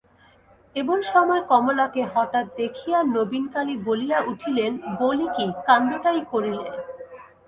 এমন সময় কমলাকে হঠাৎ দেখিয়া নবীনকালী বলিয়া উঠিলেন, বলি, কী কাণ্ডটাই করিলে?